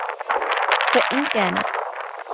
فَإِنْ كَانَ